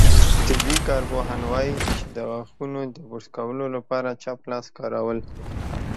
طبي کارپوهان وايي، چې د غاښونو د برس کولو لپاره چپ لاس کارول